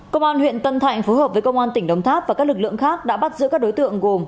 công an huyện tân thạnh phối hợp với công an tỉnh đồng tháp và các lực lượng khác đã bắt giữ các đối tượng gồm